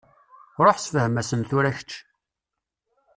Ṛuḥ ssefhem-asen tura kečč.